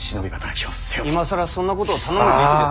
今更そんなことを頼むべきでは。